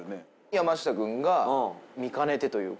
山下君が見かねてというか。